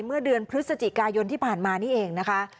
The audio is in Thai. เมื่อเดือนพฤศจิกายนที่ผ่านมานี่เองนะคะ